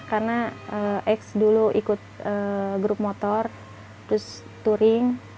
karena ex dulu ikut grup motor terus touring